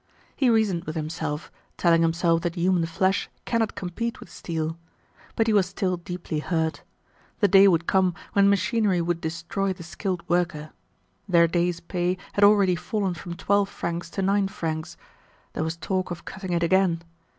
He reasoned with himself, telling himself that human flesh cannot compete with steel. But he was still deeply hurt. The day would come when machinery would destroy the skilled worker. Their day's pay had already fallen from twelve francs to nine francs. There was talk of cutting it again.